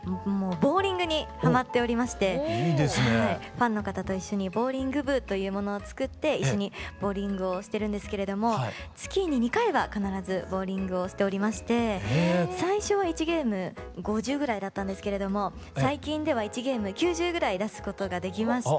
ファンの方と一緒にボウリング部というものを作って一緒にボウリングをしてるんですけれども月に２回は必ずボウリングをしておりまして最初は１ゲーム５０ぐらいだったんですけれども最近では１ゲーム９０ぐらい出すことができまして。